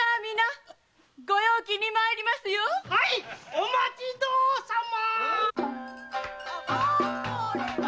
お待ちどおさま！